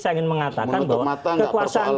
saya ingin mengatakan bahwa kekuasaan